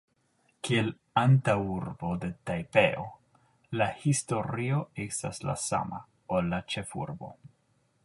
Kiel antaŭurbo de Tajpeo, la historio estas la sama, ol la ĉefurbo.